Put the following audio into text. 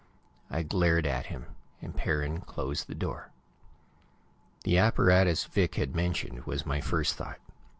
I glared at him, and Perrin closed the door. The apparatus Vic had mentioned was my first thought.